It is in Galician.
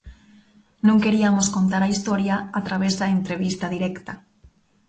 Non queriamos contar a historia a través da entrevista directa.